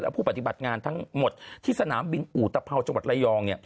ผู้ปฏิบัติงานทั้งหมดที่สนามบินอุตภาวจังหวัดระยอง